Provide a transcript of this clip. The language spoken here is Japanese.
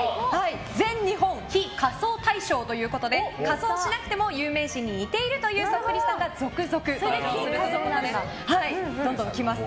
全日本非仮装大賞ということで仮装しなくても有名人に似ているというそっくりさんが続々登場するとのことでどんどん来ます。